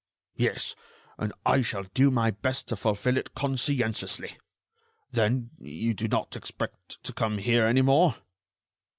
"Yes, and I shall do my best to fulfil it conscientiously. Then you do not expect to come here any more?"